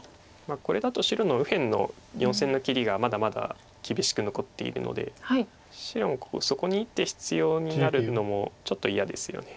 これだと白の右辺の４線の切りがまだまだ厳しく残っているので白もそこに１手必要になるのもちょっと嫌ですよね。